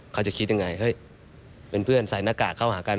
เขาจะคิดยังไงเฮ้ยเป็นเพื่อนใส่หน้ากากเข้าหากัน